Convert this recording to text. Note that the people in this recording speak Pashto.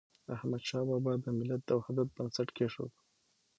احمدشاه بابا د ملت د وحدت بنسټ کيښود.